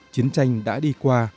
chiến tranh đã đi qua